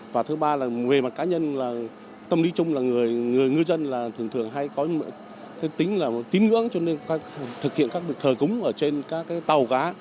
và thứ ba là về mặt cá nhân là tâm lý chung là người ngư dân là thường thường hay có tính là tín ngưỡng cho nên thực hiện các được thờ cúng ở trên các tàu cá